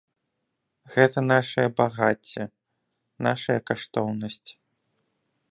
Гэта нашае багацце, нашая каштоўнасць.